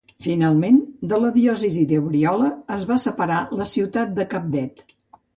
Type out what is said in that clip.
Finalment, de la diòcesi d'Oriola es va separar la ciutat de Cabdet.